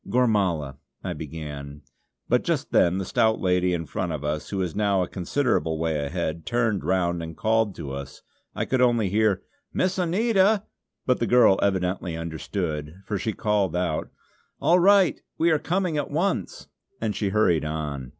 "Gormala" I began; but just then the stout lady in front of us, who was now a considerable way ahead, turned round and called to us. I could only hear "Miss Anita;" but the girl evidently understood, for she called out: "All right! We are coming at once!" and she hurried on.